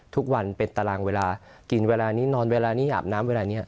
ทุกวันเป็นตารางเวลากินเวลานี้นอนเวลานี้อาบน้ำเวลานี้